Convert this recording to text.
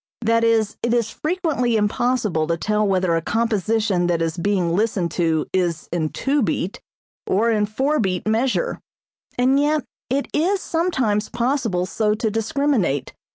That is, it is frequently impossible to tell whether a composition that is being listened to is in two beat, or in four beat measure; and yet it is sometimes possible so to discriminate.